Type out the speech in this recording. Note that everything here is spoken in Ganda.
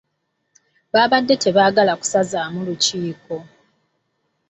Baabadde tebaagala kusazaamu lukiiko.